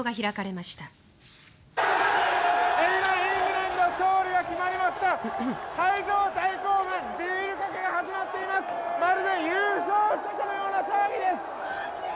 まるで優勝したかのような騒ぎです。